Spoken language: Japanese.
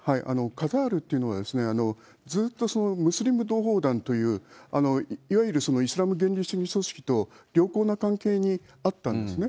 カタールというのは、ずっとムスリム同胞団という、いわゆるイスラム原理主義組織と良好な関係にあったんですね。